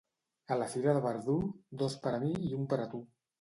A la fira de Verdú, dos per a mi i un per a tu.